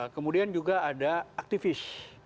kemudian juga ada aktivis